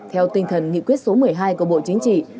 theo tinh thần nghị quyết số một mươi hai của bộ chính trị